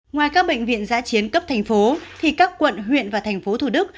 ngoài các bệnh viện giã chiến cấp thành phố thì các quận huyện và thành phố thủ đức